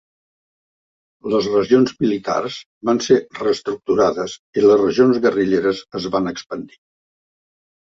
Les regions militars van ser reestructurades i les regions guerrilleres es van expandir.